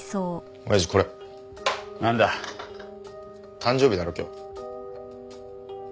誕生日だろ今日。